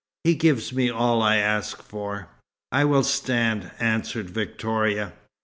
He gives me all I ask for." "I will stand," answered Victoria.